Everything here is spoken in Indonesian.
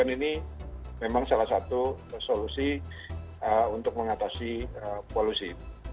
ini memang salah satu solusi untuk mengatasi polusi